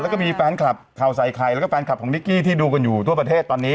แล้วก็มีแฟนคลับข่าวใส่ไข่แล้วก็แฟนคลับของนิกกี้ที่ดูกันอยู่ทั่วประเทศตอนนี้